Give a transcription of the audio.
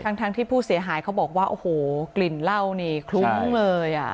ทั้งที่ผู้เสียหายเขาบอกว่าโอ้โหกลิ่นเหล้านี่คลุ้งเลยอ่ะ